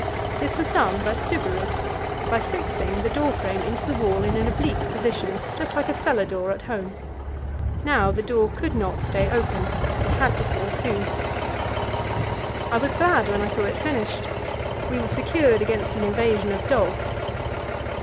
This was done by Stubberud, by fixing the door frame into the wall in an oblique position just like a cellar door at home. Now the door could not stay open; it had to fall to. I was glad when I saw it finished; we were secured against an invasion of dogs.